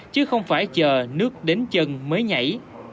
chứ không phải chờ nước đến chân mới nhảy